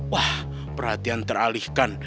wah perhatian teralihkan